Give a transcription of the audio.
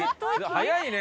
早いね！